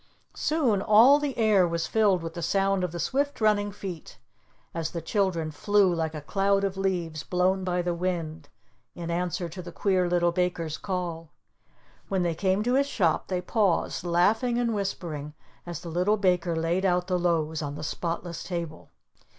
Soon all the air was filled with the sound of the swift running feet, as the children flew like a cloud of leaves blown by the wind in answer to the Queer Little Baker's call. When they came to his shop they paused, laughing and whispering, as the Little Baker laid out the loaves on the spotless table.